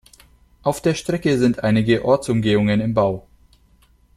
Auf der Strecke sind einige Ortsumgehungen im Bau.